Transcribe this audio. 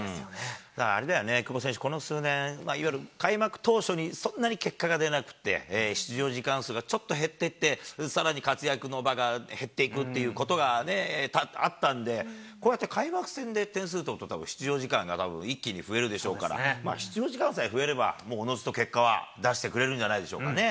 あれだよね、久保選手、ここ数年、開幕当初に、そんなに結果が出なくって、出場時間数がちょっと減ってて、さらに活躍の場が減っていくということが多々あったんで、こうやって開幕戦で点数取ってると、出場時間が一気に増えるでしょうから、出場時間さえ増えれば、おのずと結果を出してくれるんじゃないでしょうかね。